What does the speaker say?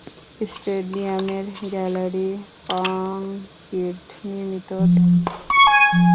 স্টেডিয়ামের gallery concrete নির্মিত, pavilion রয়েছে।